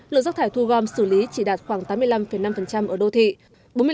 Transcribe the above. lượng rác thải thu gom xử lý chỉ đạt khoảng tám mươi năm năm ở đô thị